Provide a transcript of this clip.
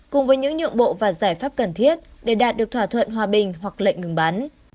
cùng với những nhượng bộ và giải pháp cần thiết để đạt được thỏa thuận hòa bình hoặc lệnh ngừng bắn